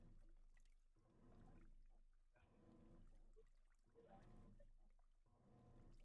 Antes de comenzar la intervención Rocky se lleva a Angie de allí.